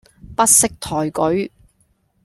不識抬舉